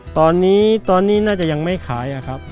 ตอนนี้ตอนนี้น่าจะยังไม่ขายครับ